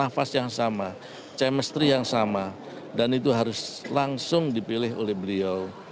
nafas yang sama chemistry yang sama dan itu harus langsung dipilih oleh beliau